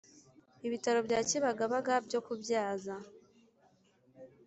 ibitaro bya Kibagabaga byo kubyaza